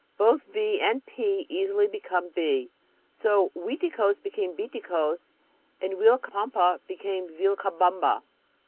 Both V and P easily become B. So Uiticos became Biticos and Uilcapampa became Vilcabamba.